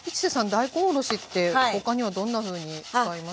大根おろしって他にはどんなふうに使います？